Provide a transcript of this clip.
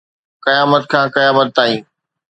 قيامت کان قيامت تائين